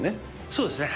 そうですね。